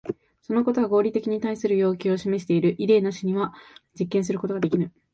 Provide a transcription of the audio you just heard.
そのことは合理性に対する要求を示している。イデーなしには実験することができぬ。